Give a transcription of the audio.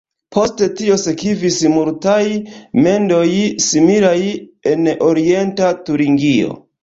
Post tio sekvis multaj mendoj similaj en Orienta Turingio.